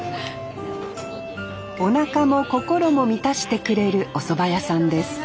おなかも心も満たしてくれるおそば屋さんです